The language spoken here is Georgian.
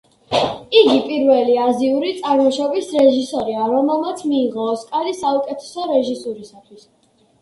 იგი პირველი აზიური წარმოშობის რეჟისორია, რომელმაც მიიღო ოსკარი საუკეთესო რეჟისურისათვის.